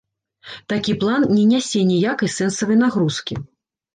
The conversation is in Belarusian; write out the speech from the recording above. Такі план не нясе ніякай сэнсавай нагрузкі.